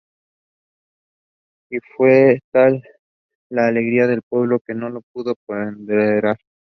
Y fue tal la alegría del pueblo que no la puedo ponderar.